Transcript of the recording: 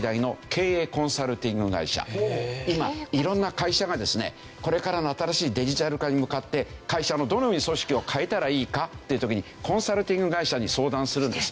今いろんな会社がですねこれからの新しいデジタル化に向かって会社のどのように組織を変えたらいいかっていう時にコンサルティング会社に相談するんです。